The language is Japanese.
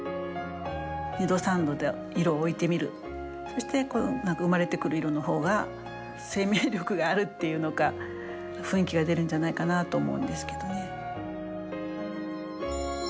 そして生まれてくる色の方が生命力があるっていうのか雰囲気が出るんじゃないかなと思うんですけどね。